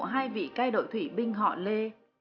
hai vị cai đội thủy binh họ lê